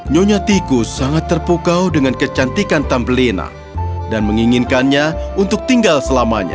nyonya tikus sangat terpukau dengan kecantikan tambelina dan menginginkannya untuk tinggal selamanya